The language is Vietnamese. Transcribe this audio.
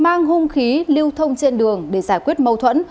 mang hung khí lưu thông trên đường để giải quyết mâu thuẫn